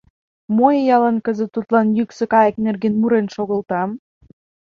Мо иялан кызыт тудлан йӱксӧ кайык нерген мурен шогылтам.